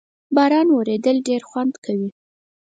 باران ورېدل ډېر خوند کوي